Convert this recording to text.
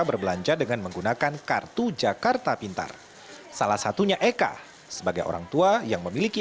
berbelanja dengan menggunakan kartu jakarta pintar salah satunya eka sebagai orang tua yang memiliki